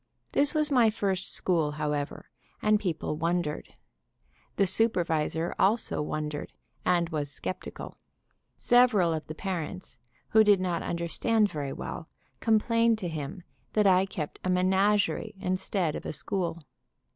This was my first school, however, and people wondered. The supervisor also wondered, and was skeptical. Several of the parents, who did not understand very well, complained to him that I kept a menagerie instead of a school.